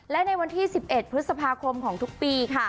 และในวันที่๑๑พฤษภาคมของทุกปีค่ะ